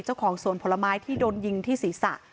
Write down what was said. เจ้าของสวนผลไม้ที่โดนยิงที่ศีรษะ